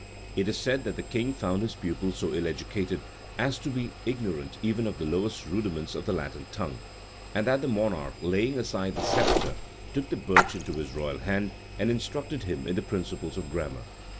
It is said, that the king found his pupil so ill educated as to be ignorant even of the lowest rudiments of the Latin tongue; and that the monarch, laying aside the sceptre, took the birch into his royal hand, and instructed him in the principles of grammar.